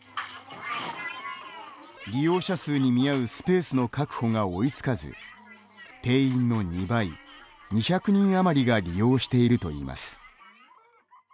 利用者数に見合うスペースの確保が追いつかず定員の２倍、２００人余りが利用しているといいます。